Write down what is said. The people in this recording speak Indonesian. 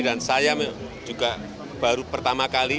dan saya juga baru pertama kali